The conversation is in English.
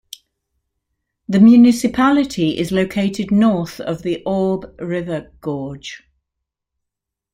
The municipality is located north of the Orbe river gorge.